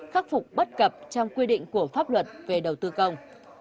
khắc phục bất cập trong quy định của pháp luật về đầu tư công